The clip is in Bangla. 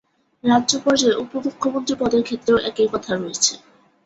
রাজ্য পর্যায়ে উপ-মুখ্যমন্ত্রী পদের ক্ষেত্রেও একই কথা রয়েছে।